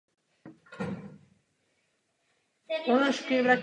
O roce jeho postavení se zmiňují prameny různě.